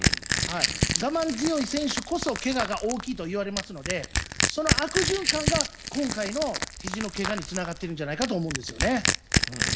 我慢強い選手こそ怪我が大きいといわれますのでその悪循環が今回のひじの怪我につながっているんじゃないかと思うんですね。